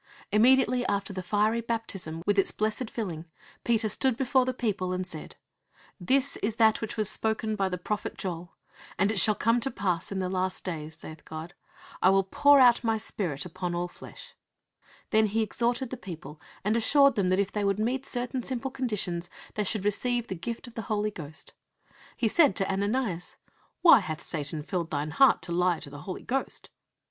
Immediately after the fiery baptism, with its blessed filling, Peter stood before the people, and said: "This is that which was spoken by the prophet Joel: And it shall come to pass in the last days, saith God, I will pour out My Spirit upon all flesh"; then he exhorted the people and assured them that if they would meet certain simple conditions they should "receive the gift of the Holy Ghost." He said to Ananias, "Why hath Satan filled thine heart to lie to the Holy Ghost?"